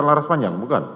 lomba aras panjang bukan